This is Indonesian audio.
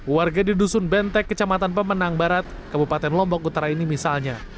warga di dusun benteng kecamatan pemenang barat kabupaten lombok utara ini misalnya